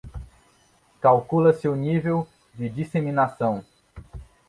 Calcula-se o nível de disseminação